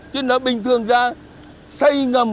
chứ nó bình thường ra xây ngầm